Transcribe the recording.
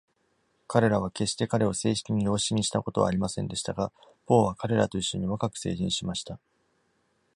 彼らは決して彼を正式に養子にしたことはありませんでしたが、ポーは彼らと一緒に若く成人しました。